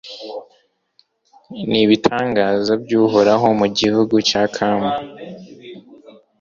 n’ibitangaza by’Uhoraho mu gihugu cya Kamu